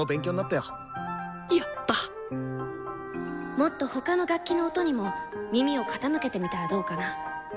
もっと他の楽器の音にも耳を傾けてみたらどうかな？